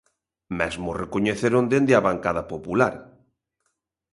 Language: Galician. Mesmo o recoñeceron dende a bancada Popular.